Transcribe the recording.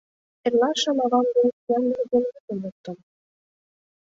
Эрлашым авам дене сӱан нерген мутым луктым.